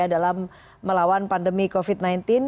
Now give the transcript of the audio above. dalam melawan pandemi covid sembilan belas